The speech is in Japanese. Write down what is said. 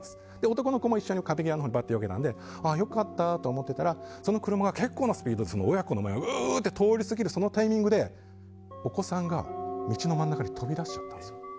男の子も一緒に壁際のほうによけたので良かったと思ったらその車が結構なスピードで親子の前を通り過ぎるそのタイミングでお子さんが、道の真ん中に飛び出しちゃったんです。